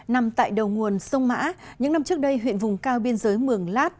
nằm tại đầu nguồn sông mã những năm trước đây huyện vùng cao biên giới mường lát